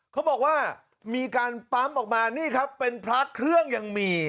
เขาบอกว่ามีการปั๊มออกมานี่ครับเป็นพระเครื่องยังมี